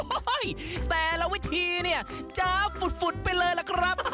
โอ้โหแต่ละวิธีเนี่ยจ๊าบฝุดไปเลยล่ะครับ